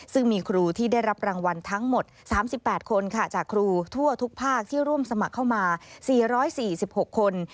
ซึ่งมีครูที่ได้รับรางวัลทั้งหมด๓๘คนจากครูทั่วทุกภาคที่ร่วมสมัครเข้ามา๔๔๖คน